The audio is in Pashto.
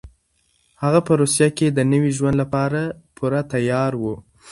هغه په روسيه کې د نوي ژوند لپاره پوره تيار و.